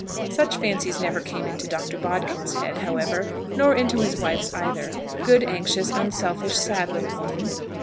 Such fancies never came into Doctor Bodkin's head, however, nor into his wife's either good, anxious, unselfish, sad, little woman!